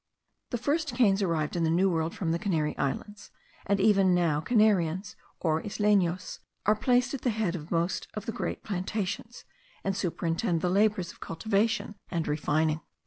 The first canes arrived in the New World from the Canary Islands; and even now Canarians, or Islenos, are placed at the head of most of the great plantations, and superintend the labours of cultivation and refining.